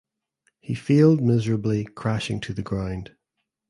He failed miserably crashing to the ground.